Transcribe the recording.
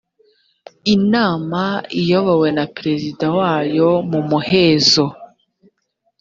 inama iyobowe na perezida wayo mu muhezo